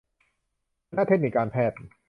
คณะเทคนิคการแพทย์